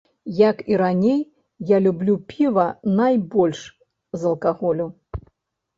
Як і раней, я люблю піва найбольш з алкаголю.